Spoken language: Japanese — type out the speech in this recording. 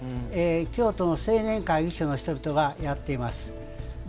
京都の青年会の人々がやっています。